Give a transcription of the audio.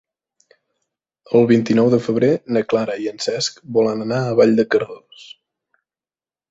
El vint-i-nou de febrer na Clara i en Cesc volen anar a Vall de Cardós.